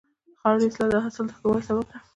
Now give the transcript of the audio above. د خاورې اصلاح د حاصل د ښه والي سبب ده.